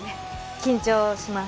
緊張します。